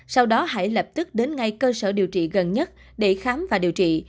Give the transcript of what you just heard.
sau đó hải lập tức đến ngay cơ sở điều trị gần nhất để khám và điều trị